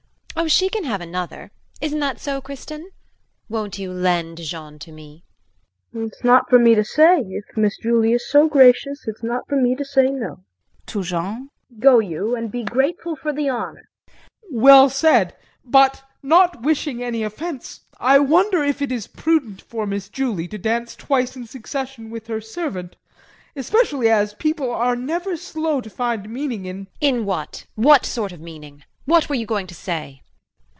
JULIE. Oh, she can have another isn't that so, Kristin? Won't you lend Jean to me. KRISTIN. It's not for me to say, if Miss Julie is so gracious it's not for me to say no. [To Jean]. Go you and be grateful for the honor. JEAN. Well said but not wishing any offense I wonder if it is prudent for Miss Julie to dance twice in succession with her servant, especially as people are never slow to find meaning in JULIE [Breaking out]. In what? What sort of meaning? What were you going to say?